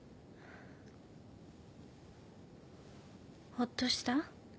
ほっとした？